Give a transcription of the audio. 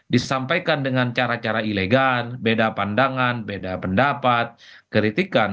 disampaikan dengan cara cara ilegan beda pandangan beda pendapat kritikan